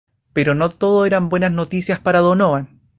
Pero no todo eran buenas noticias para Donovan.